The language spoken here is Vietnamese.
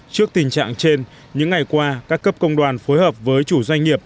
trước tình trạng trên những ngày qua các cấp công đoàn phối hợp với chủ doanh nghiệp